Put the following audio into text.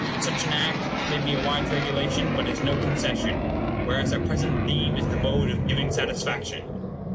Such an act may be a wise regulation, but it is no concession; whereas our present theme is the mode of giving satisfaction.